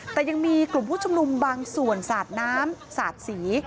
แต่ยังมีกลุ่มผู้ชุมนุมบางส่วนสาดน้ำสาดสี